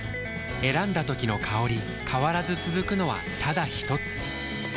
選んだ時の香り変わらず続くのはただひとつ？